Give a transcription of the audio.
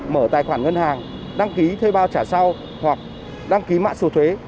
mở tài khoản ngân hàng đăng ký thuê bao trả sau hoặc đăng ký mạng sổ thuế